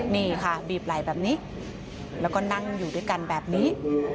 นี่ค่ะบีบไหล่แบบนี้แล้วก็นั่งอยู่ด้วยกันแบบนี้